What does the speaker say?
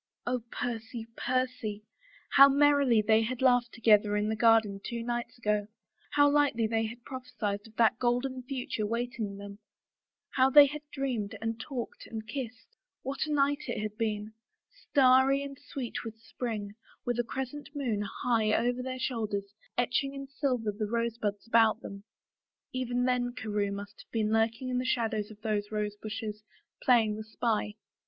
Oh, Percy, Percy I How merrily they had laughed together in the garden two nights ago, how lightly they had prophesied of that golden future waiting them, how they had dreamed and talked and kissed ! What a night it had been — starry and sweet with spring, with a crescent moon, high over their shoulders, etching in silver the rosebuds about them. ... Even then Carewe must have been lurking in the shadow of those rosebushes, playing the spy.